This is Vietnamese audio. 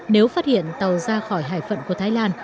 nếu phát hiện tàu ra khỏi hải phận của thái lan